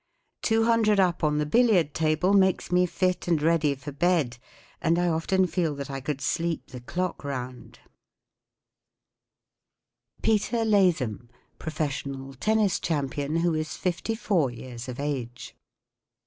Two hundred up on the billiard table makes me fit and ready for bed, and I often feel that I could sleep the clock round, PETER LATHAM. Professional Tennis Champion, who is fifty four years of age.